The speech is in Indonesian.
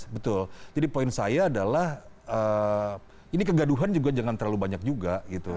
betul jadi poin saya adalah ini kegaduhan juga jangan terlalu banyak juga gitu